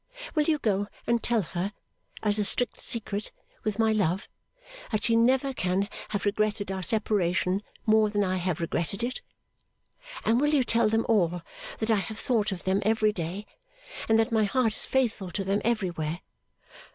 Will you go and tell her, as a strict secret, with my love, that she never can have regretted our separation more than I have regretted it? And will you tell them all that I have thought of them every day, and that my heart is faithful to them everywhere?